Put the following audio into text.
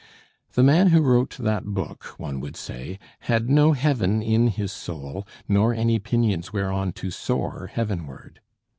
The man who wrote that book (one would say) had no heaven in his soul, nor any pinions whereon to soar heavenward.